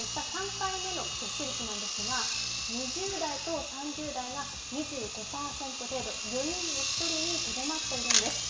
３回目の接種率ですが、２０代と３０代が２５％程度、４人に一人にとどまっているんです